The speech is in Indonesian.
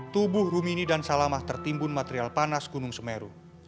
tubuh rumini dan salamah tertimbun material panas gunung semeru